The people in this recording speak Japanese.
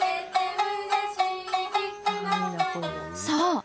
そう。